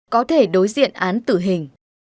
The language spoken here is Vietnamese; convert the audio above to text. có thể đối diện án tử hình